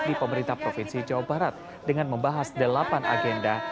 di pemerintah provinsi jawa barat dengan membahas delapan agenda